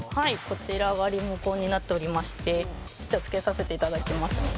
こちらがリモコンになっておりましてじゃあつけさせていただきますね